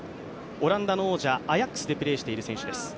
オランダの王者アヤックスでプレーしている選手です。